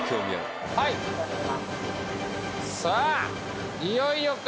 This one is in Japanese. さあいよいよか。